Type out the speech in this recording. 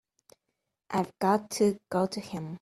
I've got to go to him.